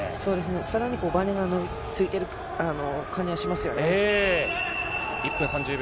さらにバネがついてる感じがしますよね。